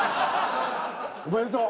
おめでとう。